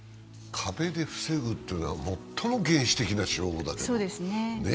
壁で防ぐというのは、最も原始的な手法だけどな。